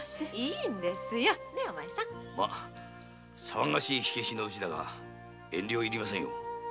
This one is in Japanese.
騒がしい火消しの家ですが遠慮はいりません。